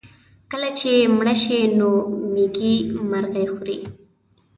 کله چې مړه شي نو مېږي مرغۍ خوري.